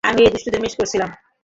আমি এই দুষ্টুদের মিস করছিলাম।